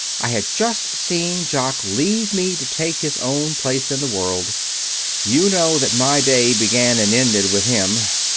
I had just seen Jock leave me to take his own place in the world. You know that my day began and ended with him.